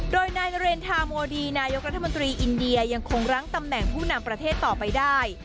โดยนายเรนทาโมดีนายกรัฐมนตรีอินเดียยังคงรั้งตำแหน่งผู้นำประเทศต่อไปได้